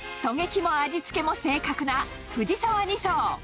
狙撃も味付けも正確な藤澤２曹。